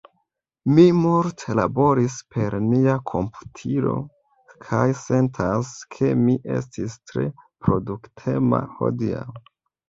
Mi multe laboris per mia komputilo, kaj sentas, ke mi estis tre produktema hodiaŭ.